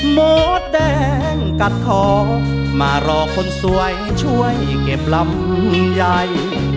โมดแดงกัดคอมารอคนสวยช่วยเก็บลำใหญ่